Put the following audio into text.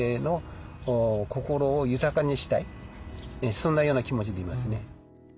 そんなような気持ちでいますね。